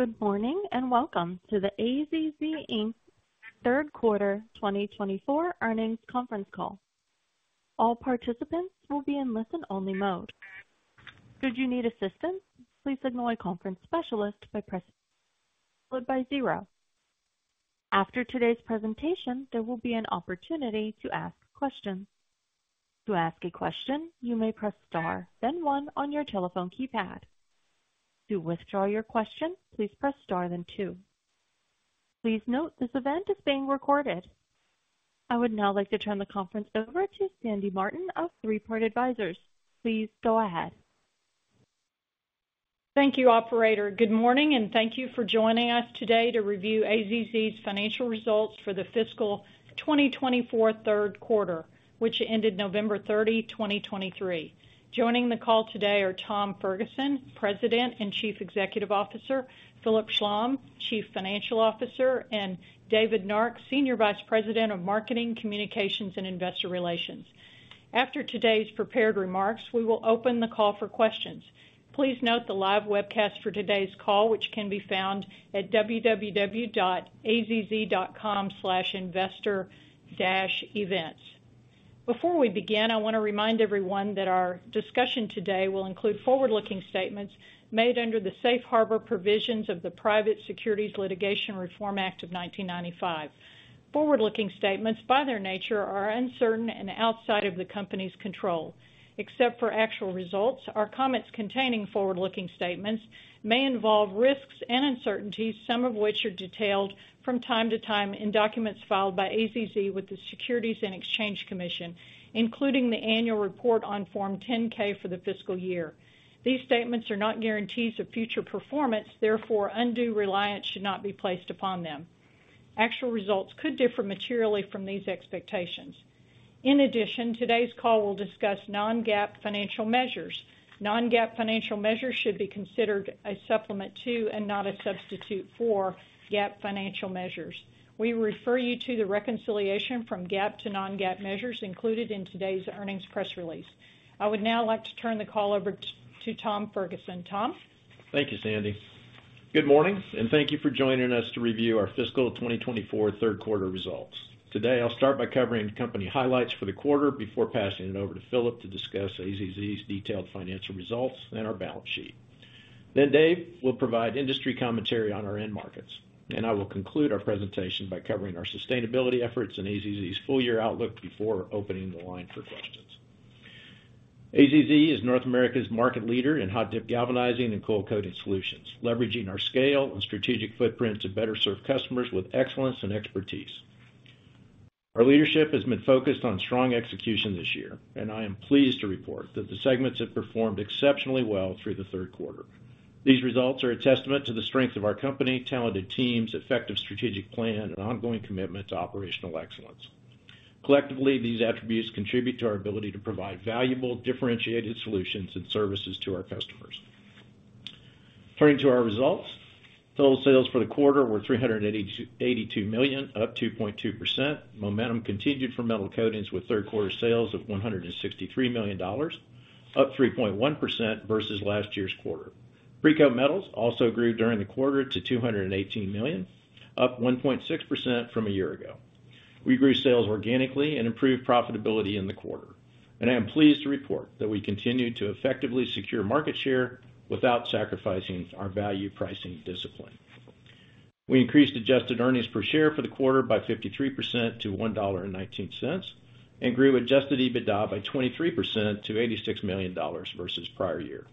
Good morning, and welcome to the AZZ Inc. third quarter 2024 Earnings Conference Call. All participants will be in listen-only mode. Should you need assistance, please signal a conference specialist by pressing followed by 0. After today's presentation, there will be an opportunity to ask questions. To ask a question, you may press star, then one on your telephone keypad. To withdraw your question, please press star, then two. Please note, this event is being recorded. I would now like to turn the conference over to Sandy Martin of Three Part Advisors. Please go ahead. Thank you, operator. Good morning, and thank you for joining us today to review AZZ's financial results for the fiscal 2024 third quarter, which ended November 30, 2023. Joining the call today are Tom Ferguson, President and Chief Executive Officer, Philip Schlom, Chief Financial Officer, and David Nark, Senior Vice President of Marketing, Communications, and Investor Relations. After today's prepared remarks, we will open the call for questions. Please note the live webcast for today's call, which can be found at www.azz.com/investor-events. Before we begin, I want to remind everyone that our discussion today will include forward-looking statements made under the Safe Harbor Provisions of the Private Securities Litigation Reform Act of 1995. Forward-looking statements, by their nature, are uncertain and outside of the company's control. Except for actual results, our comments containing forward-looking statements may involve risks and uncertainties, some of which are detailed from time to time in documents filed by AZZ with the Securities and Exchange Commission, including the annual report on Form 10-K for the fiscal year. These statements are not guarantees of future performance, therefore, undue reliance should not be placed upon them. Actual results could differ materially from these expectations. In addition, today's call will discuss non-GAAP financial measures. Non-GAAP financial measures should be considered a supplement to, and not a substitute for, GAAP financial measures. We refer you to the reconciliation from GAAP to non-GAAP measures included in today's earnings press release. I would now like to turn the call over to Tom Ferguson. Tom? Thank you, Sandy. Good morning, and thank you for joining us to review our fiscal 2024 third quarter results. Today, I'll start by covering company highlights for the quarter before passing it over to Philip to discuss AZZ's detailed financial results and our balance sheet. Then Dave will provide industry commentary on our end markets, and I will conclude our presentation by covering our sustainability efforts and AZZ's full year outlook before opening the line for questions. AZZ is North America's market leader in hot-dip galvanizing and coil-coating solutions, leveraging our scale and strategic footprint to better serve customers with excellence and expertise. Our leadership has been focused on strong execution this year, and I am pleased to report that the segments have performed exceptionally well through the third quarter. These results are a testament to the strength of our company, talented teams, effective strategic plan, and ongoing commitment to operational excellence. Collectively, these attributes contribute to our ability to provide valuable, differentiated solutions and services to our customers. Turning to our results. Total sales for the quarter were $382.82 million, up 2.2%. Momentum continued for Metal Coatings with third quarter sales of $163 million, up 3.1% versus last year's quarter. Precoat Metals also grew during the quarter to $218 million, up 1.6% from a year ago. We grew sales organically and improved profitability in the quarter, and I am pleased to report that we continued to effectively secure market share without sacrificing our value pricing discipline. We increased adjusted earnings per share for the quarter by 53% to $1.19, and grew adjusted EBITDA by 23% to $86 million versus prior year.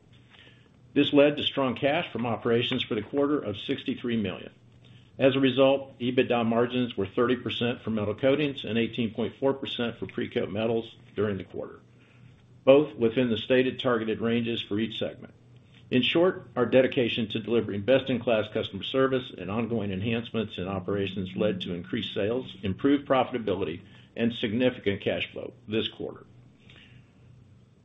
This led to strong cash from operations for the quarter of $63 million. As a result, EBITDA margins were 30% for Metal Coatings and 18.4% for Precoat Metals during the quarter, both within the stated targeted ranges for each segment. In short, our dedication to delivering best-in-class customer service and ongoing enhancements in operations led to increased sales, improved profitability, and significant cash flow this quarter.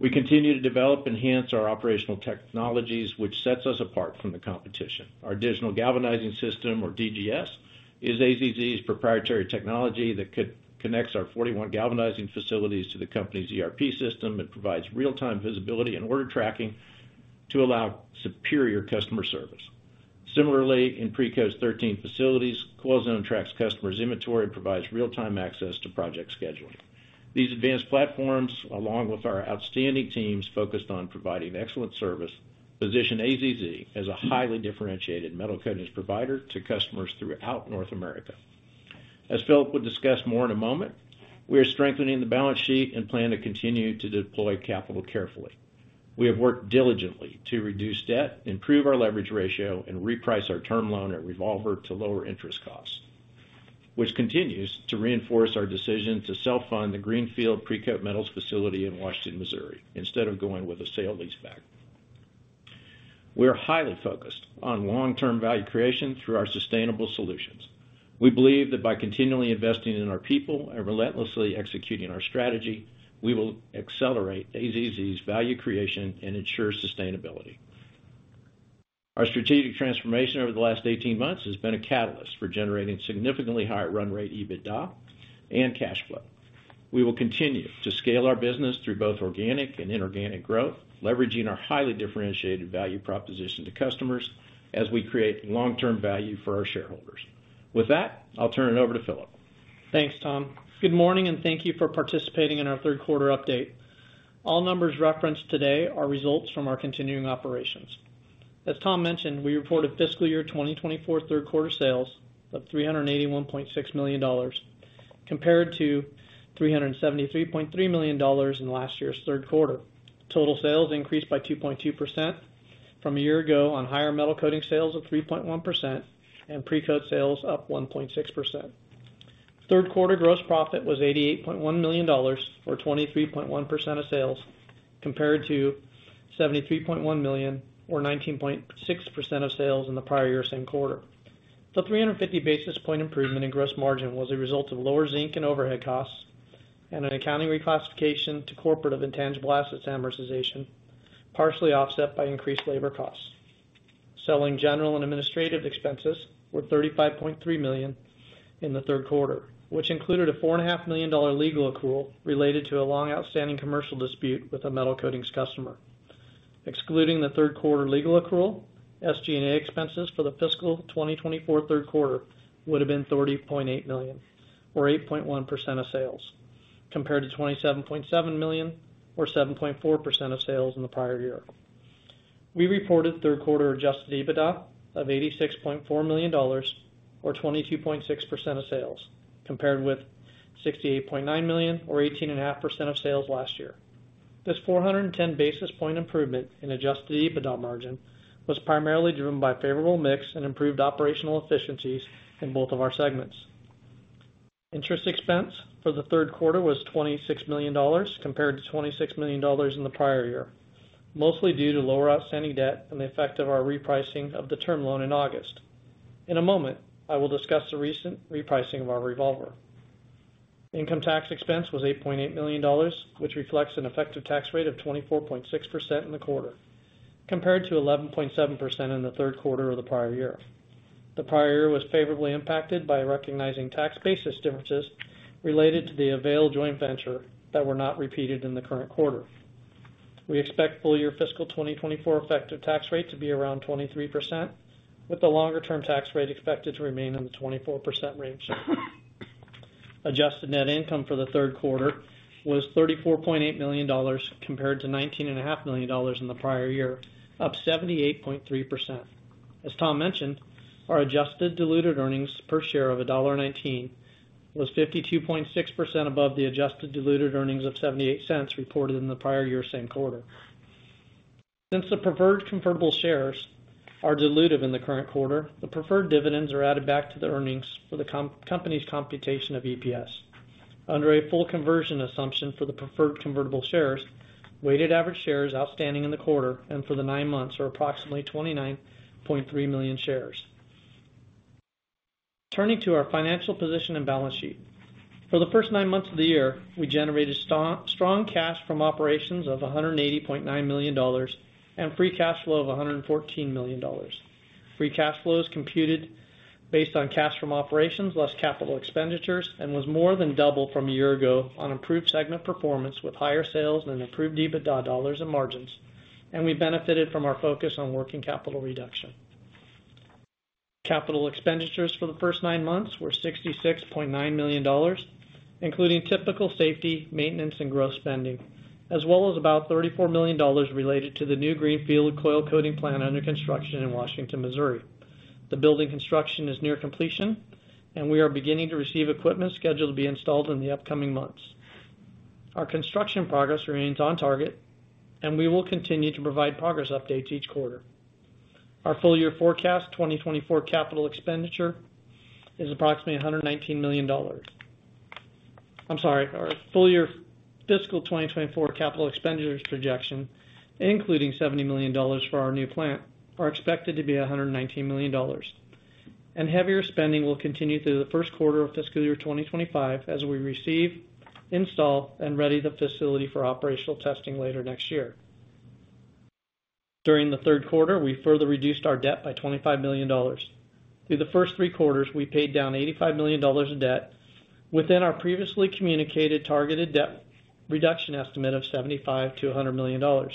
We continue to develop and enhance our operational technologies, which sets us apart from the competition. Our Digital Galvanizing System, or DGS, is AZZ's proprietary technology that connects our 41 galvanizing facilities to the company's ERP system. It provides real-time visibility and order tracking to allow superior customer service. Similarly, in Precoat's 13 facilities, CoilZone tracks customers' inventory and provides real-time access to project scheduling. These advanced platforms, along with our outstanding teams focused on providing excellent service, position AZZ as a highly differentiated metal coatings provider to customers throughout North America. As Philip will discuss more in a moment, we are strengthening the balance sheet and plan to continue to deploy capital carefully. We have worked diligently to reduce debt, improve our leverage ratio, and reprice our term loan or revolver to lower interest costs, which continues to reinforce our decision to self-fund the greenfield Precoat Metals facility in Washington, Missouri, instead of going with a sale-leaseback. We are highly focused on long-term value creation through our sustainable solutions. We believe that by continually investing in our people and relentlessly executing our strategy, we will accelerate AZZ's value creation and ensure sustainability. Our strategic transformation over the last 18 months has been a catalyst for generating significantly higher run rate, EBITDA and cash flow.... We will continue to scale our business through both organic and inorganic growth, leveraging our highly differentiated value proposition to customers as we create long-term value for our shareholders. With that, I'll turn it over to Philip. Thanks, Tom. Good morning, and thank you for participating in our third quarter update. All numbers referenced today are results from our continuing operations. As Tom mentioned, we reported fiscal year 2024 third quarter sales of $381.6 million, compared to $373.3 million in last year's third quarter. Total sales increased by 2.2% from a year ago on higher Metal Coatings sales of 3.1% and Precoat sales up 1.6%. Third quarter gross profit was $88.1 million, or 23.1% of sales, compared to $73.1 million, or 19.6% of sales in the prior year same quarter. The 350 basis point improvement in gross margin was a result of lower zinc and overhead costs and an accounting reclassification to corporate of intangible assets amortization, partially offset by increased labor costs. Selling, general, and administrative expenses were $35.3 million in the third quarter, which included a $4.5 million legal accrual related to a long-outstanding commercial dispute with a metal coatings customer. Excluding the third quarter legal accrual, SG&A expenses for the fiscal 2024 third quarter would have been $30.8 million, or 8.1% of sales, compared to $27.7 million, or 7.4% of sales in the prior year. We reported third quarter adjusted EBITDA of $86.4 million, or 22.6% of sales, compared with $68.9 million, or 18.5% of sales last year. This 410 basis point improvement in adjusted EBITDA margin was primarily driven by favorable mix and improved operational efficiencies in both of our segments. Interest expense for the third quarter was $26 million, compared to $26 million in the prior year, mostly due to lower outstanding debt and the effect of our repricing of the term loan in August. In a moment, I will discuss the recent repricing of our revolver. Income tax expense was $8.8 million, which reflects an effective tax rate of 24.6% in the quarter, compared to 11.7% in the third quarter of the prior year. The prior year was favorably impacted by recognizing tax basis differences related to the Avail joint venture that were not repeated in the current quarter. We expect full-year fiscal 2024 effective tax rate to be around 23%, with the longer-term tax rate expected to remain in the 24% range. Adjusted net income for the third quarter was $34.8 million, compared to $19.5 million in the prior year, up 78.3%. As Tom mentioned, our adjusted diluted earnings per share of $1.19 was 52.6% above the adjusted diluted earnings of $0.78 reported in the prior year same quarter. Since the preferred convertible shares are dilutive in the current quarter, the preferred dividends are added back to the earnings for the company's computation of EPS. Under a full conversion assumption for the preferred convertible shares, weighted average shares outstanding in the quarter and for the nine months are approximately 29.3 million shares. Turning to our financial position and balance sheet. For the first nine months of the year, we generated strong cash from operations of $180.9 million, and free cash flow of $114 million. Free cash flow is computed based on cash from operations, less capital expenditures, and was more than double from a year ago on improved segment performance, with higher sales and improved EBITDA dollars and margins, and we benefited from our focus on working capital reduction. Capital expenditures for the first 9 months were $66.9 million, including typical safety, maintenance, and growth spending, as well as about $34 million related to the new greenfield coil coating plant under construction in Washington, Missouri. The building construction is near completion, and we are beginning to receive equipment scheduled to be installed in the upcoming months. Our construction progress remains on target, and we will continue to provide progress updates each quarter. Our full year forecast, 2024 capital expenditure is approximately $119 million. I'm sorry. Our full year fiscal 2024 capital expenditures projection, including $70 million for our new plant, are expected to be $119 million, and heavier spending will continue through the first quarter of fiscal year 2025 as we receive, install, and ready the facility for operational testing later next year. During the third quarter, we further reduced our debt by $25 million. Through the first three quarters, we paid down $85 million in debt within our previously communicated targeted debt reduction estimate of $75 million-$100 million.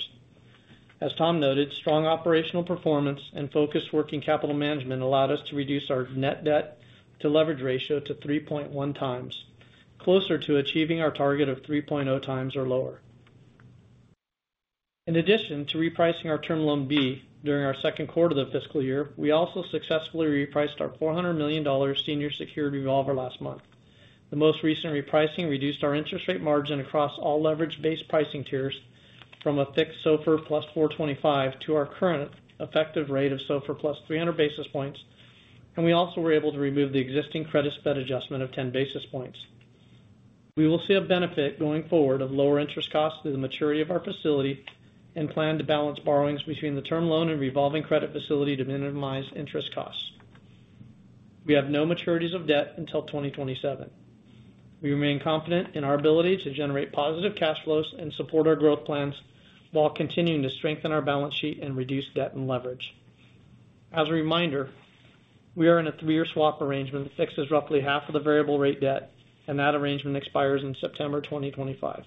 As Tom noted, strong operational performance and focused working capital management allowed us to reduce our net debt to leverage ratio to 3.1x, closer to achieving our target of 3.0x or lower. In addition to repricing our Term Loan B during our second quarter of the fiscal year, we also successfully repriced our $400 million senior secured revolver last month. The most recent repricing reduced our interest rate margin across all leverage base pricing tiers from a fixed SOFR +425, to our current effective rate of SOFR +300 basis points, and we also were able to remove the existing credit spread adjustment of 10 basis points. We will see a benefit going forward of lower interest costs through the maturity of our facility and plan to balance borrowings between the term loan and revolving credit facility to minimize interest costs. We have no maturities of debt until 2027. We remain confident in our ability to generate positive cash flows and support our growth plans while continuing to strengthen our balance sheet and reduce debt and leverage. As a reminder, we are in a three-year swap arrangement that fixes roughly half of the variable rate debt, and that arrangement expires in September 2025.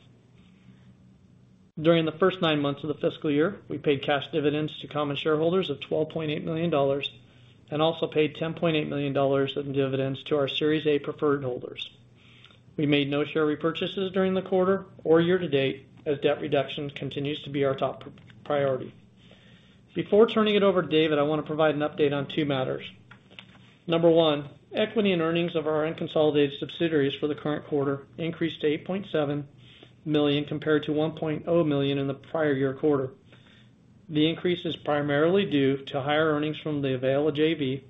During the first 9 months of the fiscal year, we paid cash dividends to common shareholders of $12.8 million, and also paid $10.8 million in dividends to our Series A Preferred holders. We made no share repurchases during the quarter or year-to-date, as debt reduction continues to be our top priority. Before turning it over to David, I want to provide an update on two matters. Number 1, equity and earnings of our unconsolidated subsidiaries for the current quarter increased to $8.7 million, compared to $1.0 million in the prior-year quarter. The increase is primarily due to higher earnings from the Avail JV,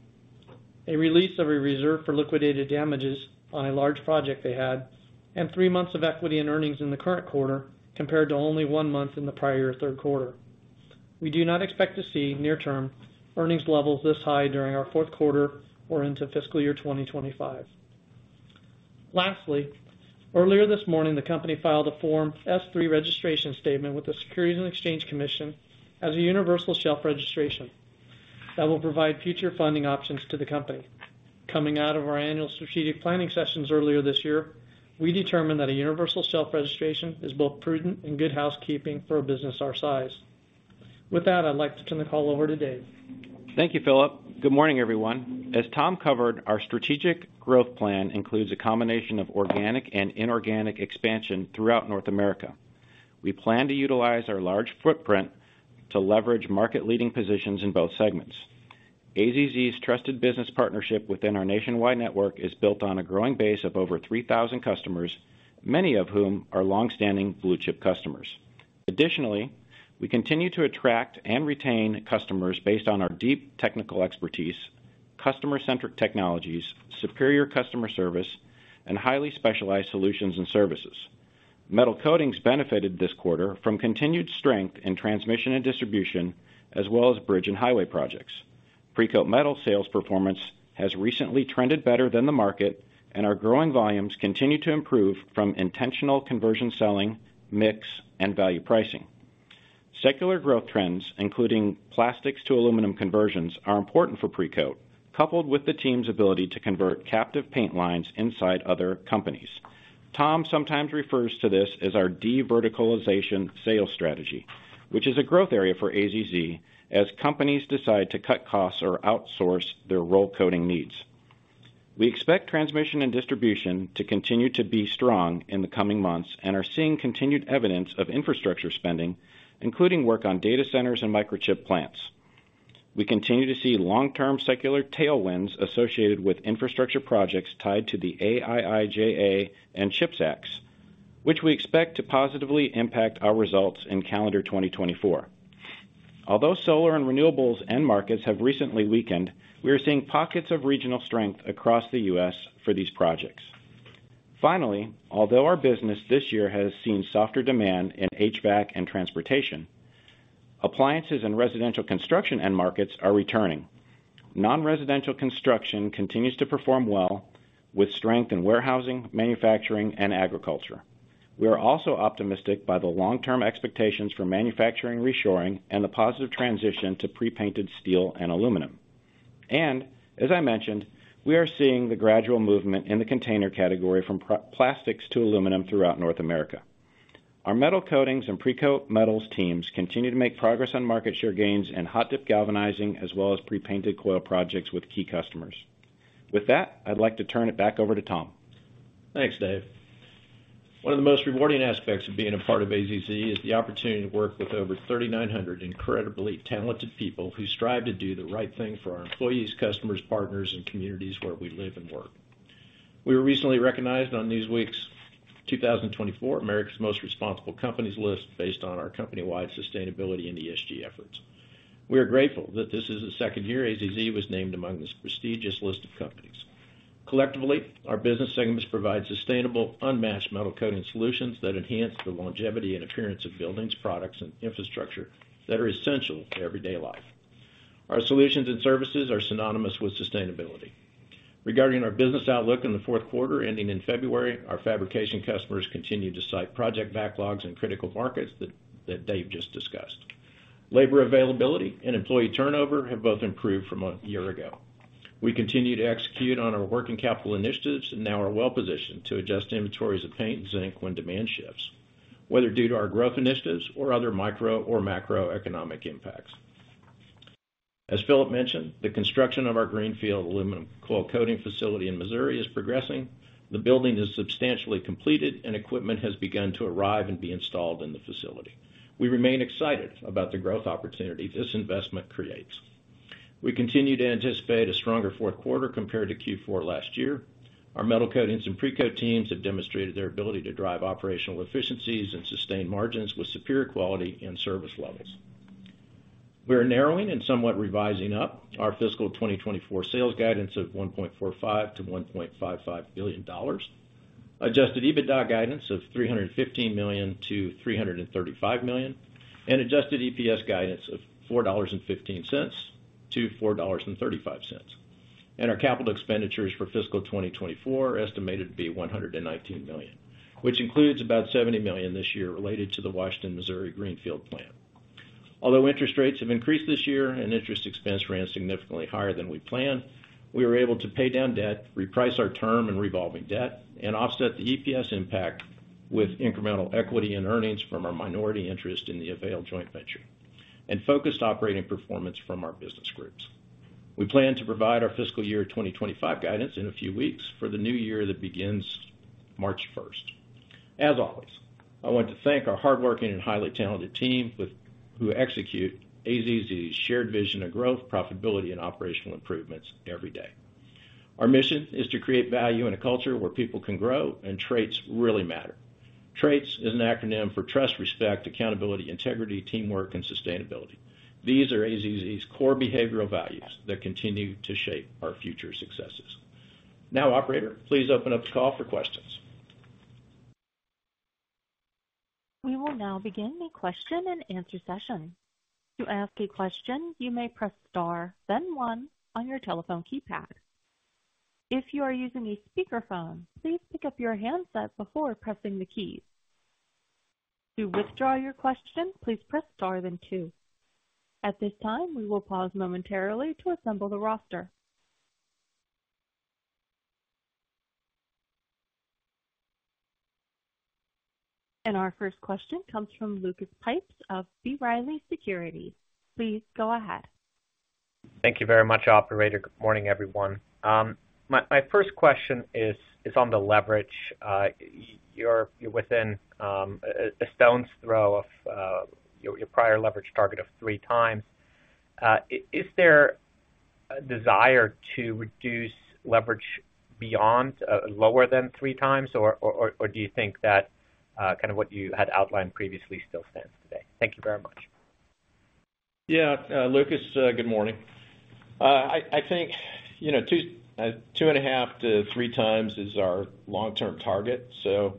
a release of a reserve for liquidated damages on a large project they had, and 3 months of equity and earnings in the current quarter, compared to only 1 month in the prior-year third quarter. We do not expect to see near-term earnings levels this high during our fourth quarter or into fiscal year 2025. Lastly, earlier this morning, the company filed a Form S-3 registration statement with the Securities and Exchange Commission as a universal shelf registration that will provide future funding options to the company. Coming out of our annual strategic planning sessions earlier this year, we determined that a universal shelf registration is both prudent and good housekeeping for a business our size. With that, I'd like to turn the call over to Dave. Thank you, Philip. Good morning, everyone. As Tom covered, our strategic growth plan includes a combination of organic and inorganic expansion throughout North America. We plan to utilize our large footprint to leverage market-leading positions in both segments. AZZ's trusted business partnership within our nationwide network is built on a growing base of over 3,000 customers, many of whom are long-standing blue-chip customers. Additionally, we continue to attract and retain customers based on our deep technical expertise, customer-centric technologies, superior customer service, and highly specialized solutions and services. Metal Coatings benefited this quarter from continued strength in transmission and distribution, as well as bridge and highway projects. Precoat Metals sales performance has recently trended better than the market, and our growing volumes continue to improve from intentional conversion selling, mix, and value pricing. Secular growth trends, including plastics to aluminum conversions, are important for Precoat, coupled with the team's ability to convert captive paint lines inside other companies. Tom sometimes refers to this as our deverticalization sales strategy, which is a growth area for AZZ as companies decide to cut costs or outsource their roll coating needs. We expect transmission and distribution to continue to be strong in the coming months and are seeing continued evidence of infrastructure spending, including work on data centers and microchip plants. We continue to see long-term secular tailwinds associated with infrastructure projects tied to the IIJA and CHIPS Act, which we expect to positively impact our results in calendar 2024. Although solar and renewables end markets have recently weakened, we are seeing pockets of regional strength across the U.S. for these projects. Finally, although our business this year has seen softer demand in HVAC and transportation, appliances and residential construction end markets are returning. Non-residential construction continues to perform well, with strength in warehousing, manufacturing, and agriculture. We are also optimistic by the long-term expectations for manufacturing reshoring and the positive transition to pre-painted steel and aluminum. And as I mentioned, we are seeing the gradual movement in the container category from plastics to aluminum throughout North America. Our Metal Coatings and Precoat Metals teams continue to make progress on market share gains and Hot-Dip Galvanizing, as well as pre-painted coil projects with key customers. With that, I'd like to turn it back over to Tom. Thanks, Dave. One of the most rewarding aspects of being a part of AZZ is the opportunity to work with over 3,900 incredibly talented people who strive to do the right thing for our employees, customers, partners, and communities where we live and work. We were recently recognized on Newsweek's 2024 America's Most Responsible Companies list based on our company-wide sustainability and ESG efforts. We are grateful that this is the second year AZZ was named among this prestigious list of companies. Collectively, our business segments provide sustainable, unmatched metal coating solutions that enhance the longevity and appearance of buildings, products, and infrastructure that are essential to everyday life. Our solutions and services are synonymous with sustainability. Regarding our business outlook in the fourth quarter, ending in February, our fabrication customers continued to cite project backlogs in critical markets that Dave just discussed. Labor availability and employee turnover have both improved from a year ago. We continue to execute on our working capital initiatives and now are well-positioned to adjust inventories of paint and zinc when demand shifts, whether due to our growth initiatives or other micro or macroeconomic impacts. As Philip mentioned, the construction of our greenfield aluminum coil coating facility in Missouri is progressing. The building is substantially completed, and equipment has begun to arrive and be installed in the facility. We remain excited about the growth opportunity this investment creates. We continue to anticipate a stronger fourth quarter compared to Q4 last year. Our Metal Coatings and Precoat teams have demonstrated their ability to drive operational efficiencies and sustain margins with superior quality and service levels. We are narrowing and somewhat revising up our fiscal 2024 sales guidance of $1.45 billion-$1.55 billion, adjusted EBITDA guidance of $315 million-$335 million, and adjusted EPS guidance of $4.15-$4.35. And our capital expenditures for fiscal 2024 are estimated to be $119 million, which includes about $70 million this year related to the Washington, Missouri greenfield plant. Although interest rates have increased this year and interest expense ran significantly higher than we planned, we were able to pay down debt, reprice our term and revolving debt, and offset the EPS impact with incremental equity and earnings from our minority interest in the Avail joint venture and focused operating performance from our business groups. We plan to provide our fiscal year 2025 guidance in a few weeks for the new year that begins March 1. As always, I want to thank our hardworking and highly talented team who execute AZZ's shared vision of growth, profitability, and operational improvements every day. Our mission is to create value in a culture where people can grow and traits really matter. Traits is an acronym for Trust, Respect, Accountability, Integrity, Teamwork, and Sustainability. These are AZZ's core behavioral values that continue to shape our future successes. Now, operator, please open up the call for questions. We will now begin the question-and-answer session. To ask a question, you may press Star, then one on your telephone keypad. If you are using a speakerphone, please pick up your handset before pressing the keys. To withdraw your question, please press star then two. At this time, we will pause momentarily to assemble the roster. And our first question comes from Lucas Pipes of B. Riley Securities. Please go ahead. Thank you very much, operator. Good morning, everyone. My first question is on the leverage. You're within a stone's throw of your prior leverage target of 3x. Is there a desire to reduce leverage beyond lower than 3x? Or do you think that kind of what you had outlined previously still stands today? Thank you very much. Yeah, Lucas, good morning. I think, you know, 2.5x-3x is our long-term target. So,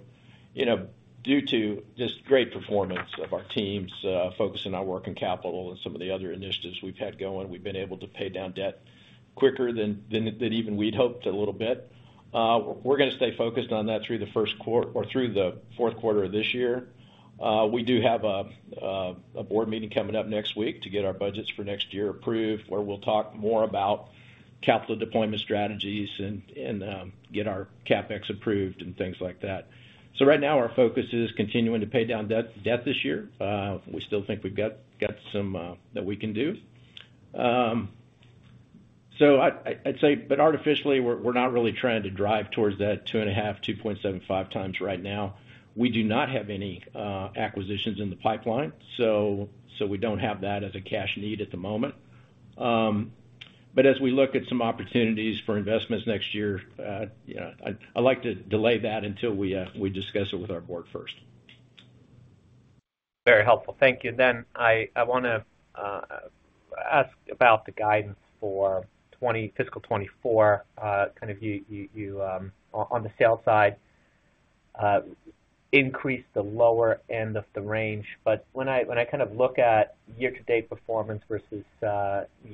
you know, due to just great performance of our teams, focusing on working capital and some of the other initiatives we've had going, we've been able to pay down debt quicker than even we'd hoped a little bit. We're gonna stay focused on that through the fourth quarter of this year. We do have a board meeting coming up next week to get our budgets for next year approved, where we'll talk more about capital deployment strategies and get our CapEx approved and things like that. So right now, our focus is continuing to pay down debt this year. We still think we've got some that we can do. So I'd say... But artificially, we're not really trying to drive towards that 2.5x, 2.75x right now. We do not have any acquisitions in the pipeline, so we don't have that as a cash need at the moment. But as we look at some opportunities for investments next year, you know, I'd like to delay that until we discuss it with our board first. Very helpful. Thank you. Then I wanna ask about the guidance for fiscal 2024. Kind of, on the sales side, increased the lower end of the range. But when I kind of look at year-to-date performance versus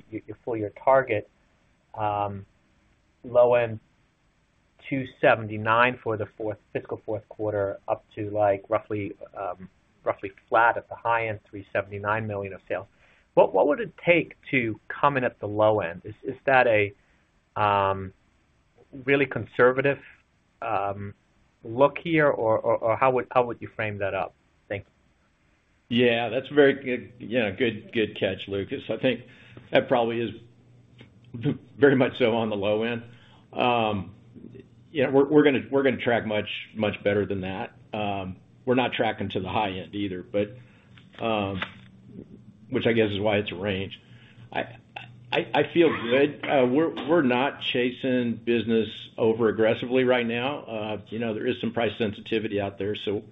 your full year target, low end $279 million for the fiscal fourth quarter, up to, like, roughly, roughly flat at the high end, $379 million of sales. What would it take to come in at the low end? Is that a really conservative look here, or how would you frame that up? Thank you. Yeah, that's a very good catch, Lucas. I think that probably is very much so on the low end. Yeah, we're gonna track much better than that. We're not tracking to the high end either, but which I guess is why it's a range. I feel good. We're not chasing business over aggressively right now. You know, there is some price sensitivity out there, so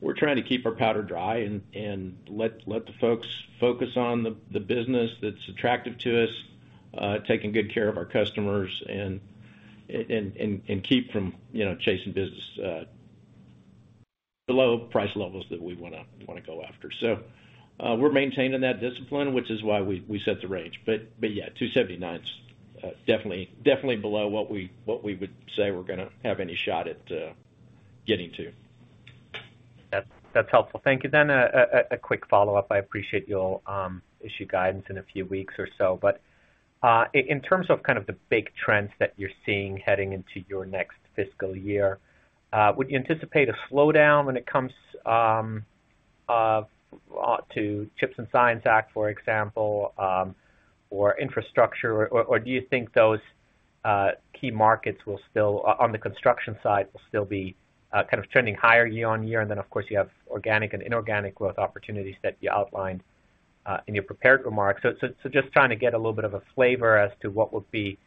we're trying to keep our powder dry and let the folks focus on the business that's attractive to us, taking good care of our customers and keep from chasing business below price levels that we wanna go after. So, we're maintaining that discipline, which is why we set the range. But yeah, 279s definitely, definitely below what we, what we would say we're gonna have any shot at getting to. That's helpful. Thank you. Then a quick follow-up. I appreciate you'll issue guidance in a few weeks or so, but in terms of kind of the big trends that you're seeing heading into your next fiscal year, would you anticipate a slowdown when it comes to CHIPS and Science Act, for example, or infrastructure? Or do you think those key markets will still be on the construction side kind of trending higher year on year? And then, of course, you have organic and inorganic growth opportunities that you outlined in your prepared remarks. So just trying to get a little bit of a flavor as to what would be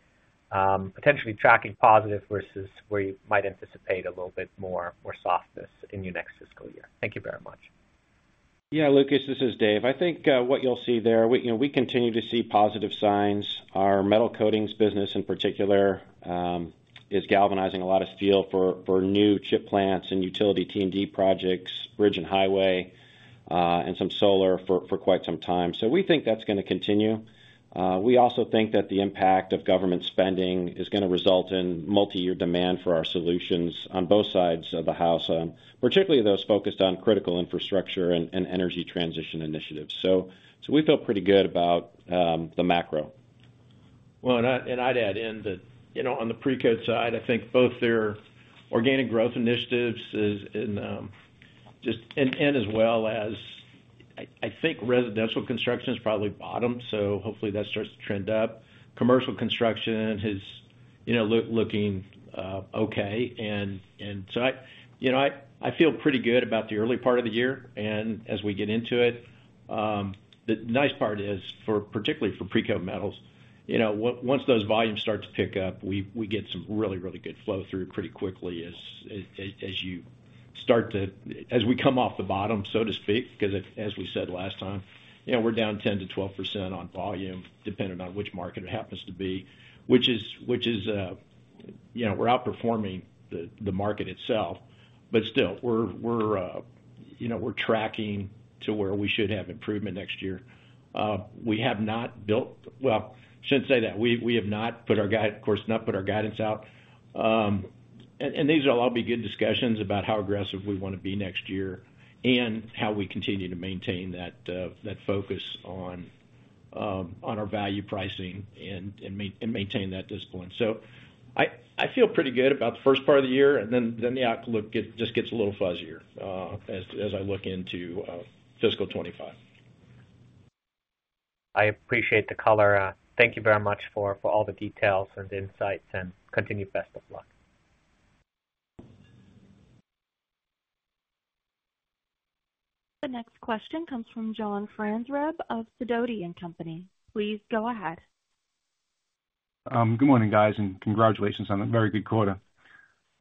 potentially tracking positive versus where you might anticipate a little bit more softness in your next fiscal year. Thank you very much. ... Yeah, Lucas, this is Dave. I think, what you'll see there, we, you know, we continue to see positive signs. Our metal coatings business, in particular, is galvanizing a lot of steel for new chip plants and utility T&D projects, bridge and highway, and some solar for quite some time. So we think that's gonna continue. We also think that the impact of government spending is gonna result in multi-year demand for our solutions on both sides of the house, particularly those focused on critical infrastructure and energy transition initiatives. So we feel pretty good about the macro. Well, and I'd add in that, you know, on the Precoat side, I think both their organic growth initiatives is in, and as well as, I think residential construction has probably bottomed, so hopefully that starts to trend up. Commercial construction is, you know, looking okay. And so I, you know, I feel pretty good about the early part of the year and as we get into it. The nice part is, for, particularly for Precoat Metals, you know, once those volumes start to pick up, we get some really good flow through pretty quickly as you start to... As we come off the bottom, so to speak, because as we said last time, you know, we're down 10%-12% on volume, depending on which market it happens to be. Which is, you know, we're outperforming the market itself. But still, you know, we're tracking to where we should have improvement next year. We have not built—well, I shouldn't say that. We have not put our guide, of course, not put our guidance out. And these will all be good discussions about how aggressive we wanna be next year and how we continue to maintain that focus on our value pricing and maintain that discipline. So I feel pretty good about the first part of the year, and then the outlook just gets a little fuzzier as I look into fiscal 2025. I appreciate the color. Thank you very much for all the details and insights, and continued best of luck. The next question comes from John Franzreb of Sidoti & Company. Please go ahead. Good morning, guys, and congratulations on a very good quarter.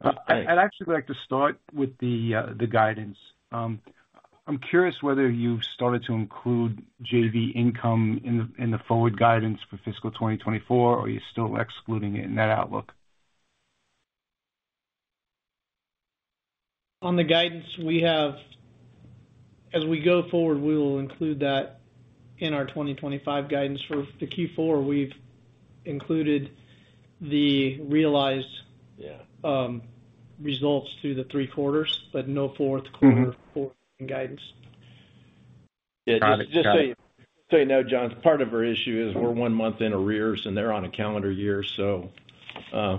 Hey- I'd actually like to start with the guidance. I'm curious whether you've started to include JV income in the forward guidance for fiscal 2024, or are you still excluding it in that outlook? On the guidance we have, as we go forward, we will include that in our 2025 guidance. For the Q4, we've included the realized- Yeah... results through the three quarters, but no fourth quarter- Mm-hmm -quarter guidance. Yeah. Just so you know, John, part of our issue is we're one month in arrears, and they're on a calendar year. So,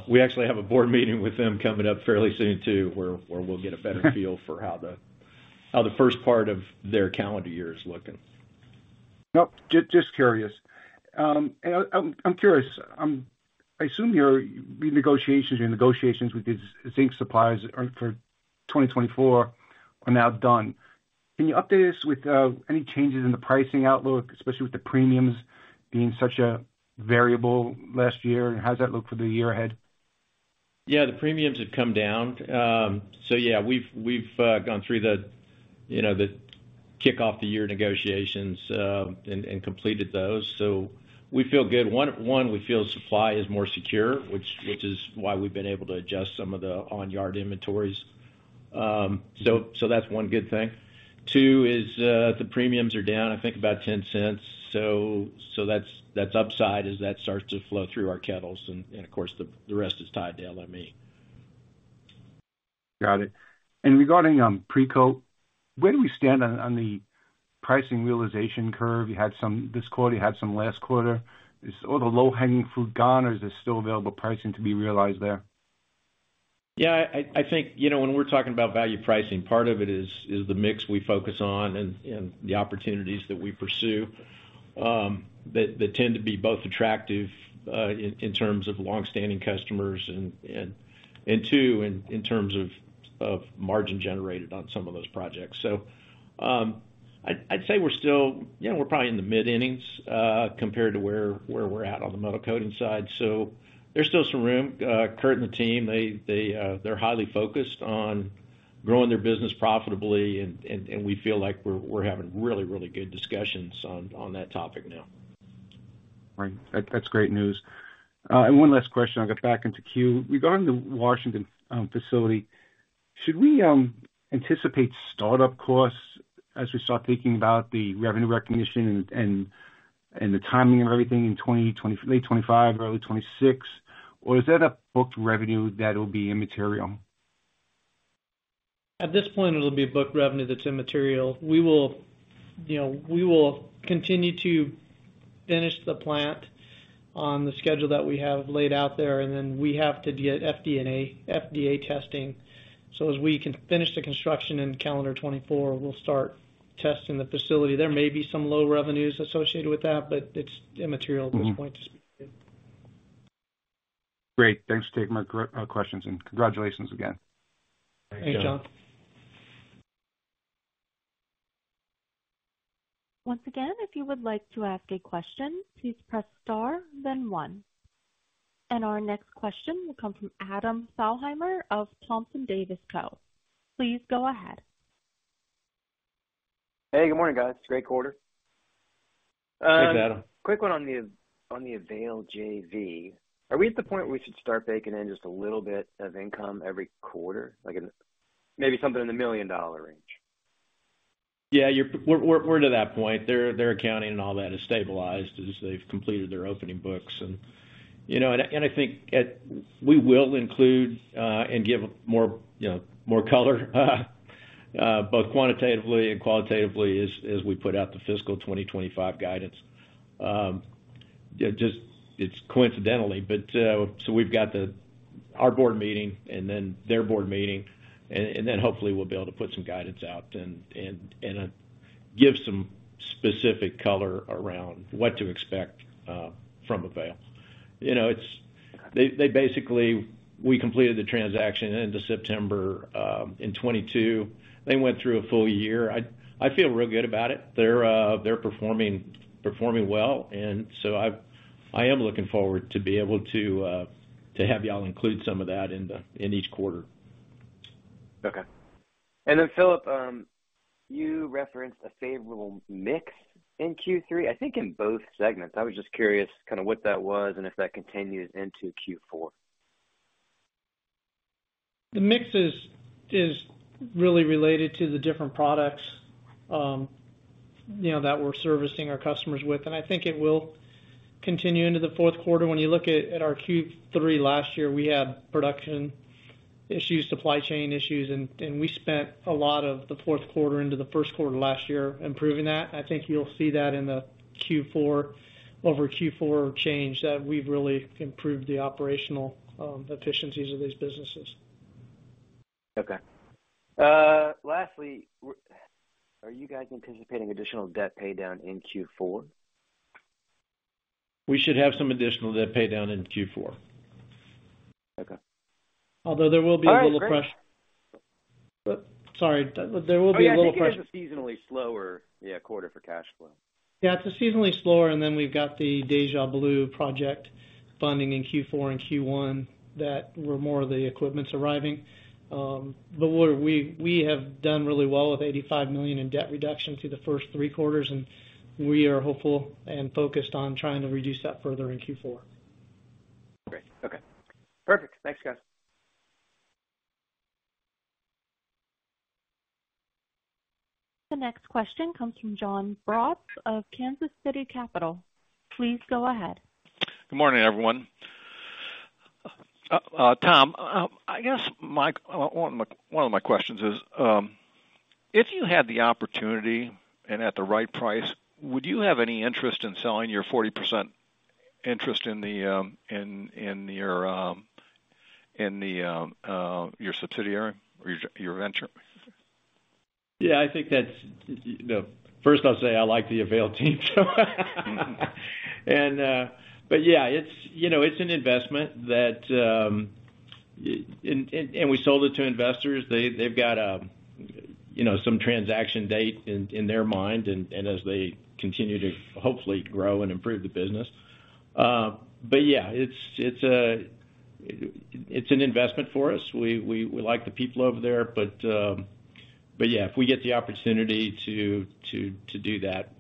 we actually have a board meeting with them coming up fairly soon, too, where we'll get a better feel for how the first part of their calendar year is looking. Nope, just curious. I'm curious. I assume your renegotiations or negotiations with these zinc suppliers for 2024 are now done. Can you update us with any changes in the pricing outlook, especially with the premiums being such a variable last year? And how does that look for the year ahead? Yeah, the premiums have come down. So yeah, we've gone through the, you know, the kickoff the year negotiations, and completed those. So we feel good. One, we feel supply is more secure, which is why we've been able to adjust some of the on-yard inventories. So that's one good thing. Two is, the premiums are down, I think, about $0.10. So that's upside as that starts to flow through our kettles, and of course, the rest is tied to LME. Got it. And regarding Precoat, where do we stand on the pricing realization curve? You had some this quarter, you had some last quarter. Is all the low-hanging fruit gone, or is there still available pricing to be realized there? Yeah, I think, you know, when we're talking about value pricing, part of it is the mix we focus on and the opportunities that we pursue that tend to be both attractive in terms of long-standing customers and two in terms of margin generated on some of those projects. So, I'd say we're still, you know, we're probably in the mid-innings compared to where we're at on the metal coatings side. So there's still some room. Kurt and the team they're highly focused on growing their business profitably, and we feel like we're having really, really good discussions on that topic now. Right. That, that's great news. And one last question I'll get back into queue. Regarding the Washington facility, should we anticipate startup costs as we start thinking about the revenue recognition and the timing of everything in late 2025 or early 2026, or is that a booked revenue that will be immaterial? At this point, it'll be a booked revenue that's immaterial. We will, you know, we will continue to finish the plant on the schedule that we have laid out there, and then we have to get FDA testing. So as we can finish the construction in calendar 2024, we'll start testing the facility. There may be some low revenues associated with that, but it's immaterial at this point to speak to. Great. Thanks for taking my questions, and congratulations again. Thank you. Thank you, John. Once again, if you would like to ask a question, please press star, then one. Our next question will come from Adam Thalhimer of Thompson Davis & Co. Please go ahead. Hey, good morning, guys. Great quarter. Hey, Adam. Quick one on the Avail JV. Are we at the point where we should start baking in just a little bit of income every quarter, like in maybe something in the $1 million range? Yeah, you're—we're to that point. Their accounting and all that is stabilized as they've completed their opening books. And, you know, I think we will include and give more, you know, more color both quantitatively and qualitatively, as we put out the fiscal 2025 guidance. Just it's coincidentally, but so we've got our board meeting and then their board meeting, and then hopefully we'll be able to put some guidance out and give some specific color around what to expect from Avail. You know, it's—they basically, we completed the transaction end of September in 2022. They went through a full year. I feel real good about it. They're performing well, and so I've, I am looking forward to be able to have you all include some of that in each quarter. Okay. And then, Philip, you referenced a favorable mix in Q3, I think in both segments. I was just curious kind of what that was, and if that continues into Q4? The mix is really related to the different products, you know, that we're servicing our customers with, and I think it will continue into the fourth quarter. When you look at our Q3 last year, we had production issues, supply chain issues, and we spent a lot of the fourth quarter into the first quarter last year improving that. I think you'll see that in the Q4-over Q4 change, that we've really improved the operational efficiencies of these businesses. Okay. Lastly, are you guys anticipating additional debt paydown in Q4? We should have some additional debt paydown in Q4. Okay. Although there will be a little pressure- All right, great. Sorry, there will be a little pressure- Oh, yeah, I think it's a seasonally slower, yeah, quarter for cash flow. Yeah, it's seasonally slower, and then we've got the Project Blue project funding in Q4 and Q1 where more of the equipment's arriving. But we have done really well with $85 million in debt reduction through the first three quarters, and we are hopeful and focused on trying to reduce that further in Q4. Great. Okay, perfect. Thanks, guys. The next question comes from John Braatz of Kansas City Capital. Please go ahead. Good morning, everyone. Tom, I guess one of my questions is, if you had the opportunity and at the right price, would you have any interest in selling your 40% interest in your subsidiary or your venture? Yeah, I think that's. First, I'll say I like the Avail team, so and but yeah, it's, you know, it's an investment that and we sold it to investors. They've got, you know, some transaction date in their mind, and as they continue to hopefully grow and improve the business. But yeah, it's an investment for us. We like the people over there, but yeah, if we get the opportunity to do that,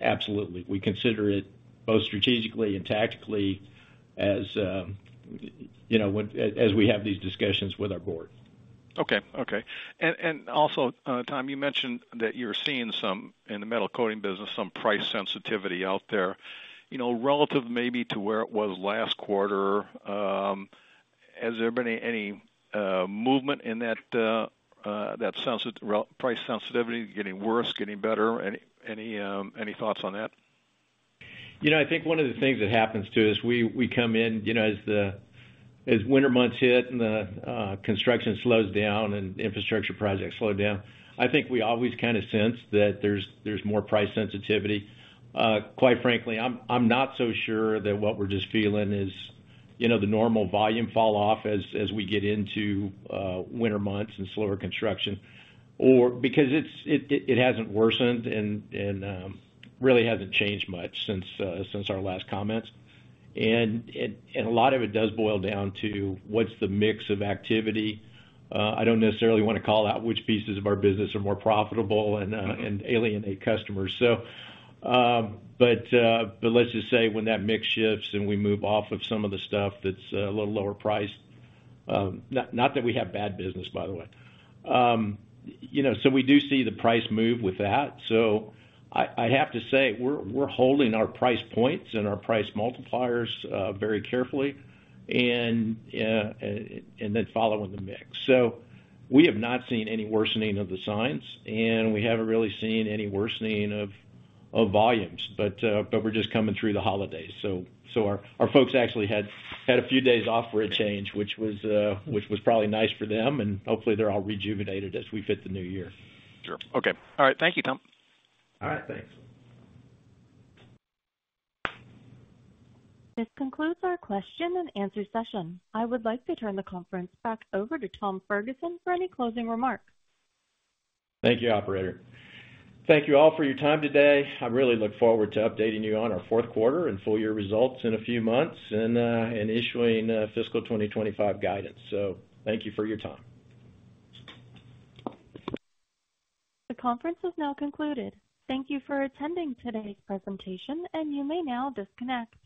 absolutely, we consider it both strategically and tactically, as you know when as we have these discussions with our board. Okay. Okay. And also, Tom, you mentioned that you're seeing some in the metal coating business some price sensitivity out there. You know, relative maybe to where it was last quarter, has there been any movement in that price sensitivity, getting worse, getting better? Any thoughts on that? You know, I think one of the things that happens, too, is we come in, you know, as the winter months hit and the construction slows down and infrastructure projects slow down. I think we always kind of sense that there's more price sensitivity. Quite frankly, I'm not so sure that what we're just feeling is, you know, the normal volume fall off as we get into winter months and slower construction or because it's it hasn't worsened and really hasn't changed much since since our last comments. And a lot of it does boil down to what's the mix of activity? I don't necessarily want to call out which pieces of our business are more profitable and alienate customers. So, but let's just say when that mix shifts and we move off of some of the stuff that's a little lower priced, not that we have bad business, by the way. You know, so we do see the price move with that. So I'd have to say we're holding our price points and our price multipliers very carefully, and then following the mix. So we have not seen any worsening of the signs, and we haven't really seen any worsening of volumes, but we're just coming through the holidays, so our folks actually had a few days off for a change, which was probably nice for them, and hopefully, they're all rejuvenated as we hit the new year. Sure. Okay. All right. Thank you, Tom. All right, thanks. This concludes our question and answer session. I would like to turn the conference back over to Tom Ferguson for any closing remarks. Thank you, operator. Thank you all for your time today. I really look forward to updating you on our fourth quarter and full year results in a few months and, and issuing, fiscal 2025 guidance. So thank you for your time. The conference is now concluded. Thank you for attending today's presentation, and you may now disconnect.